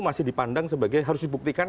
masih dipandang sebagai harus dibuktikan